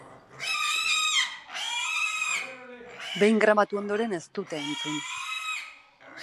Behin grabatu ondoren ez dute entzun.